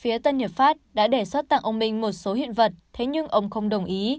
phía tân hiệp pháp đã đề xuất tặng ông minh một số hiện vật thế nhưng ông không đồng ý